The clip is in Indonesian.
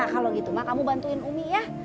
kalau gitu mah kamu bantuin umi ya